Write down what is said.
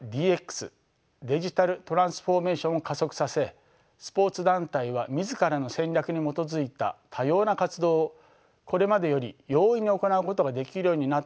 デジタルトランスフォーメーションを加速させスポーツ団体は自らの戦略に基づいた多様な活動をこれまでより容易に行うことができるようになったとも言えます。